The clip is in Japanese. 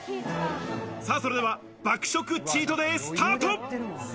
それでは爆食チートデイ、スタート！